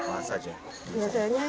biasanya lansia yang tidak bisa berjalan